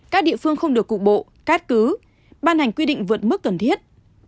các địa phương không được cục bộ cắt cứ ban hành quy định vượt mức cần thiết